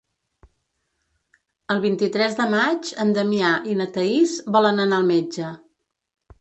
El vint-i-tres de maig en Damià i na Thaís volen anar al metge.